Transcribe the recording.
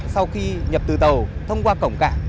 sau khi nhập từ tàu thông qua cổng cảng